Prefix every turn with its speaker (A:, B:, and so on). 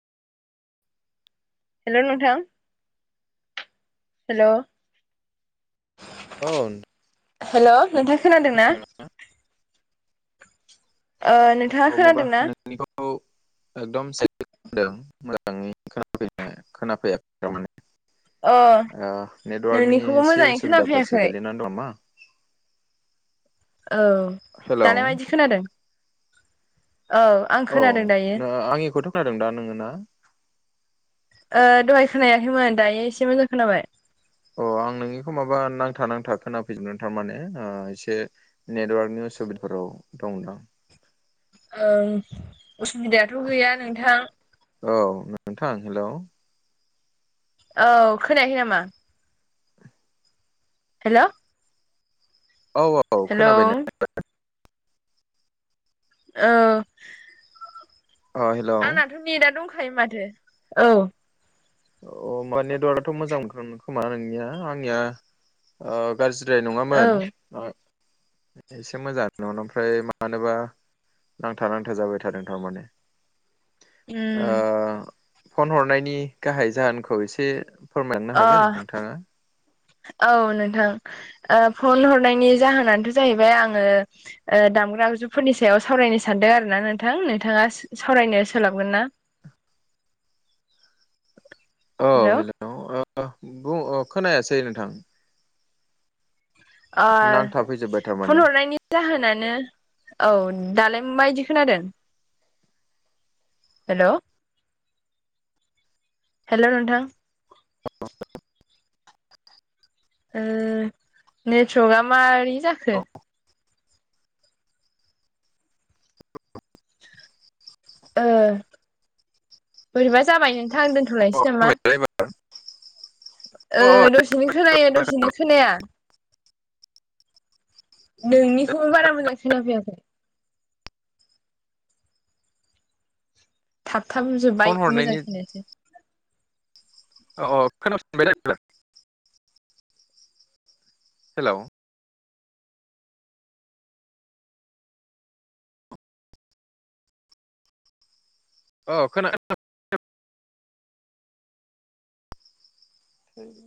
A: हेल' नोंथां हेल'
B: औ
A: हेल' नोंथां खोनादों ना? ओ नोंथाङा
B: अ माबा
A: खोनादों ना
B: नों [unintelligible] ओ
A: अ
B: नेटवार्कनि
A: नोंनिखौबो
B: एसे
A: मोजाङै
B: उसुबिदाफोरसो
A: खोनाफैयाखै
B: गोलैनानै दं नामा?
A: औ
B: हेलौ
A: दालाय मायदि खोनादों औ आं
B: औ
A: खोनादों दायो
B: आंनिखौथ' खोनादों दा नोंना
A: ओ दहाय खोनायाखैमोन दायो एसे मोजां खोनाबाय
B: अ आं नोंनिखौ माबा नांथा नांथा खोनाफैजोबगोन थारमाने ओ एसे नेटवार्कनि उसुबिदाफोराव दं दां
A: ओ उसुबिदायाथ' गैया नोंथां
B: औ नोंथां हेलौ
A: औ खोनायाखै नामा? हेल'
B: औ औ खोनाबाय ना
A: ओ
B: अ हेलौ
A: आंनाथ' नेदा दंखायो माथो औ
B: अ मा नेटवार्कआथ' मोजां मोनखागोन खोमा नोंनिया आंनिया ओ गारज्रि बद्राय
A: औ
B: नङामोन एसे मोजां ओमफ्राय मानोबा नांथा नांथा जाबाय थादों थारमाने
A: उम
B: ओ फन हरनायनि गाहाय जाहोनखौ एसे फोरमायनो हागोन
A: अ
B: नोंथाङा
A: औ नोंथां फन ओ हरनायनि जाहोनानोथ' जाहैबाय आङो ओ दामग्रा आगजुफोरनि सायाव सावरायनो सानदों आरो ना नोंथां नोंथाङा सावरायनो सोलाबगोन ना
B: औ हेलौ ओ बुं अ खोनायासै नोंथां
A: ओ
B: नांथा फैजोब्बाय थारमाने
A: फन हरनायनि जाहोनानो औ दालाय माबायदि खोनादों हेलौ हेलौ नों ओ नेटवर्कआ मारै जाखो
B: अ
A: ओ बोरैबा जाबाय नोंथां आं
B: अ
A: दोन्थ'लायनोसै नामा
B: [unintelligible]
A: ओ दसेनो खोनायो दसेनो खोनाया नोंनिखौबो बारा मोजां खोना फैयाखै
B: फन
A: थाबजोब्बाय
B: हरनायनि
A: मोजां खोनायासै
B: अ अ खोनाफिनबाय ना‌ एबारो हेलौ अ खोनादों उम